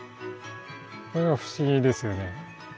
これが不思議ですよね。